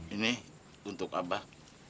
ini untuk abah